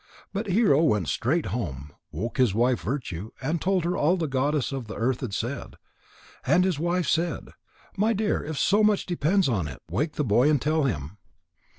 But Hero went straight home, woke his wife Virtue, and told her all that the Goddess of the Earth had said. And his wife said: "My dear, if so much depends on it, wake the boy and tell him."